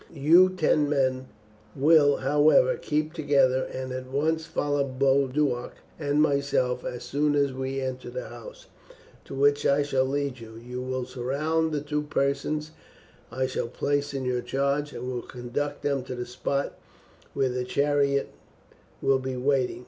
You ten men will, however, keep together, and at once follow Boduoc and myself. As soon as we enter the house to which I shall lead you, you will surround the two persons I shall place in your charge, and will conduct them to the spot where the chariot will be waiting.